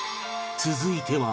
続いては